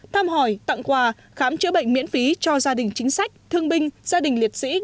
thăm hỏi tặng quà khám chữa bệnh miễn phí cho gia đình chính sách thương binh gia đình liệt sĩ